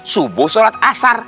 subuh sholat asar